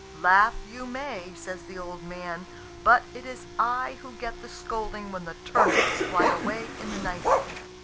"Laugh you may," says the old man; "but it is I who get the scolding when the turnips fly away in the night."